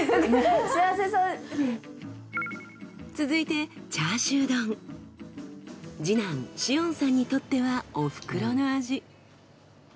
続いて次男詩音さんにとってはおふくろの味。